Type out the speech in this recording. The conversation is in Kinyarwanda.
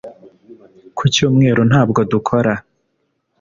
ku cyumweru ntabwo dukora